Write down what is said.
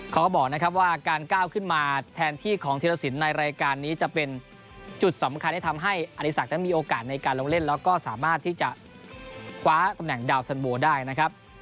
เขาก็บอกนะครับว่าการก้าวขึ้นมาแทนที่ของธีรสินในรายการนี้จะเป็นจุดสำคัญที่ทำให้อดีศักดิ์มีโอกาสในการลงเล่นแล้วก็สามารถที่จะคว้าตำแหน่งดาวสันโบได้นะครับ